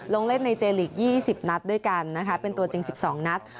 ลงเล่นในเจลีก๒๐นัดด้วยกันนะคะเป็นตัวจริง๑๒นัด